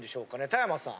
田山さん。